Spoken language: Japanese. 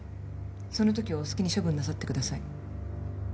そのときはお好きに処分なさってください。